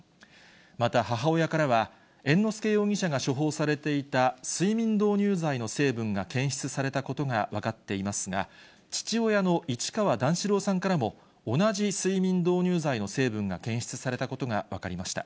また母親からは、猿之助容疑者が処方されていた睡眠導入剤の成分が検出されたことが分かっていますが、父親の市川段四郎さんからも、同じ睡眠導入剤の成分が検出されたことが分かりました。